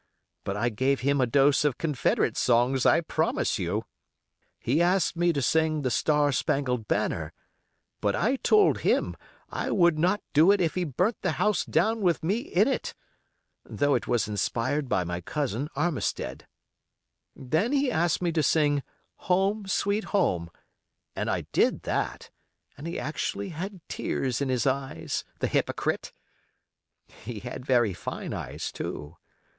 But I gave him a dose of Confederate songs, I promise you. He asked me to sing the 'Star Spangled Banner'; but I told him I would not do it if he burnt the house down with me in it—though it was inspired by my cousin, Armistead. Then he asked me to sing 'Home, Sweet Home', and I did that, and he actually had tears in his eyes—the hypocrite! He had very fine eyes, too.